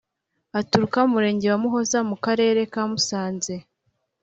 Aturuka Murenge wa Muhoza mu Karere ka Musanze.